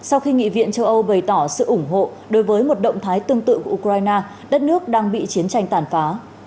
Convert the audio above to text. sau khi nghị viện châu âu bày tỏ sự ủng hộ đối với một động thái tương tự của ukraine đất nước đang bị chiến tranh tàn phá